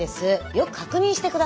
よく確認して下さい。